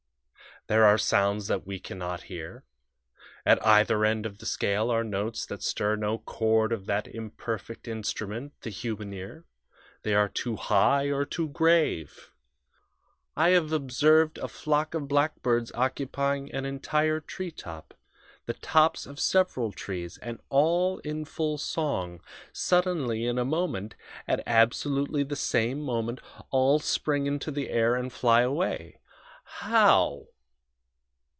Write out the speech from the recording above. "There are sounds that we can not hear. At either end of the scale are notes that stir no chord of that imperfect instrument, the human ear. They are too high or too grave. I have observed a flock of blackbirds occupying an entire treetop the tops of several trees and all in full song. Suddenly in a moment at absolutely the same instant all spring into the air and fly away. How?